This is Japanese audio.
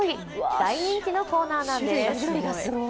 大人気のコーナーなんです。